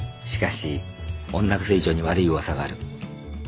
しかし女癖以上に悪い噂がある。